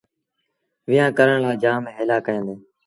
ويهآݩ ڪرڻ لآ جآم هيٚلآ ڪيآݩدي۔